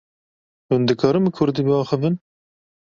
Hûn dikarin bi Kurdî biaxivin?